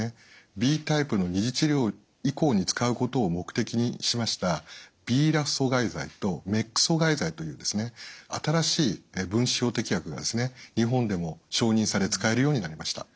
Ｂタイプの２次治療以降に使うことを目的にしましたＢＲＡＦ阻害剤とＭＥＫ阻害剤という新しい分子標的薬が日本でも承認され使えるようになりました。